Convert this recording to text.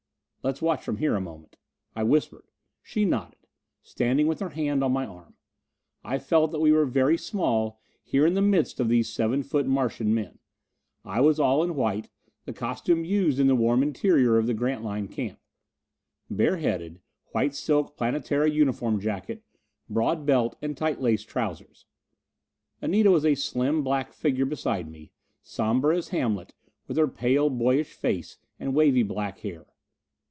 "Let's watch from here a moment," I whispered. She nodded, standing with her hand on my arm. I felt that we were very small, here in the midst of these seven foot Martian men. I was all in white, the costume used in the warm interior of the Grantline camp. Bareheaded, white silk Planetara uniform jacket, broad belt and tight laced trousers. Anita was a slim black figure beside me, somber as Hamlet, with her pale boyish face and wavy black hair.